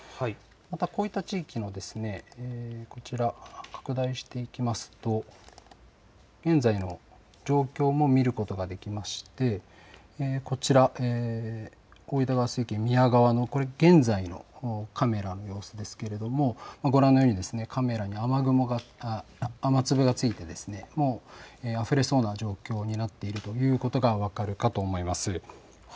こういった地域、拡大していきますと現在の状況も見ることができまして宮川の現在のカメラの様子ですけれどもご覧のようにカメラに雨粒がついてあふれそうな状況になっているということが分かるかと思います。